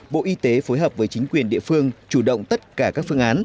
bộ y tế phối hợp với chính quyền địa phương chủ động tất cả các phương án